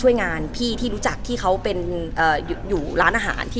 ไม่นานค่ะก็คือเพิ่งรู้จักช่วงประมาณตุลาราศาสตร์